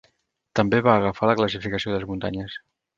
També va agafar la classificació de les muntanyes.